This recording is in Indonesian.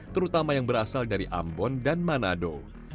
terutama yang berasal dari ambon dan manado